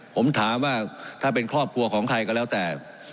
ผมถามว่าถ้าเป็นครอบครัวของใครก็แล้วแต่